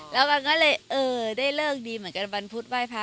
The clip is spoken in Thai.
แล้วก็เลยได้เลิกดีเหมือนกันวันพุธบ้ายพระ